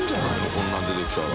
こんなの出てきたら。